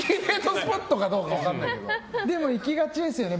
スポットかはでも行きがちですよね。